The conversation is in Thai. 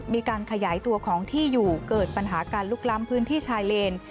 มีการขยายตัวของที่อยู่เกิดปัญหาการลุกล้ำพื้นที่ชายเลน